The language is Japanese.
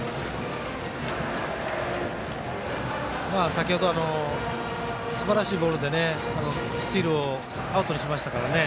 先ほどすばらしいボールでスチールをアウトにしましたから。